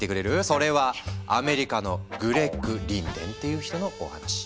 それはアメリカのグレッグ・リンデンっていう人のお話。